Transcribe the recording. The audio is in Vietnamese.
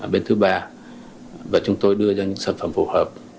bên thứ ba và chúng tôi đưa ra những sản phẩm phù hợp